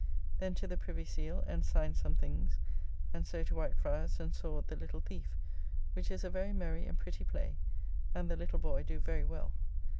Then to the Privy Seal, and signed some things, and so to White fryars and saw "The Little Thiefe," which is a very merry and pretty play, and the little boy do very well.